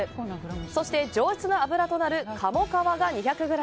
そして、上質な脂となる鴨皮が２００ｇ